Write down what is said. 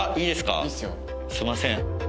すいません。